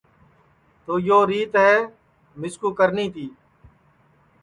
تو یو ریت ہے مِسکُو کرنی تی